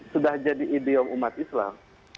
sudah jadi idiom umat islam